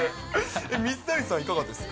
水谷さん、いかがですか。